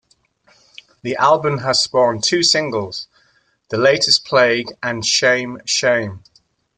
The album has spawned two singles: "The Latest Plague" and "Shame Shame".